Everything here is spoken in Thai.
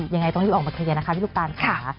ยังไงต้องรีบออกมาเฉยนะคะพี่ลุกตาน